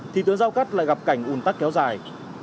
thì tuyến giao cắt lại gặp cảnh un tắc kéo dài